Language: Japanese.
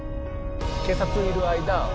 警察いる間